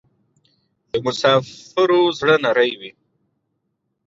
د مسافرو زړه نری وی